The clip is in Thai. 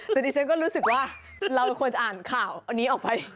แต่ดิฉันก็รู้สึกว่าเราควรจะอ่านข่าวอันนี้ออกไป